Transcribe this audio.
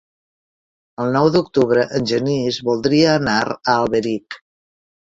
El nou d'octubre en Genís voldria anar a Alberic.